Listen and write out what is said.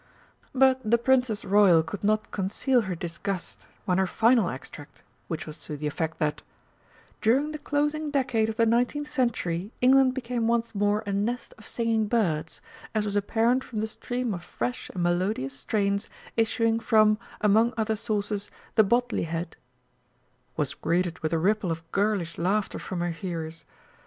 But the Princess Royal could not conceal her disgust when her final extract, which was to the effect that: "during the closing decade of the Nineteenth Century England became once more a 'nest of singing birds,' as was apparent from the stream of fresh and melodious strains issuing from, among other sources, 'The Bodley Head,'" was greeted with a ripple of girlish laughter from her hearers.